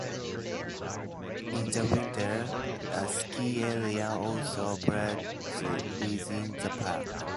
In the winter, a ski area also operates within the park.